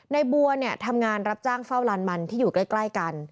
นายบัวทำงานรับจ้างเฝ้าร้านมันที่อยู่ใกล้กัน